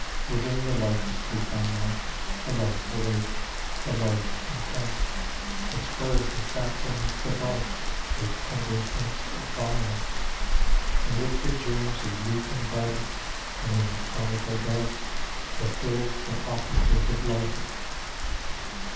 Within the life asleep I mark A life awake; a life intense, That spurs the sap beneath the bark With tender hints of violence, The liquid germs of leaf and bud, And in the ponderable dark Fulfils the offices of blood.